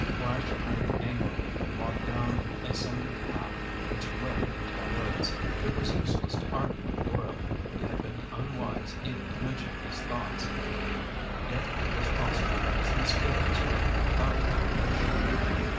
Flash turned angrily and walked down a cindered path which led into the woods. It was useless to argue with Doyle. He had been unwise even to mention his thoughts. Yet it was possible that his misgivings were without foundation.